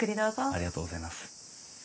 ありがとうございます。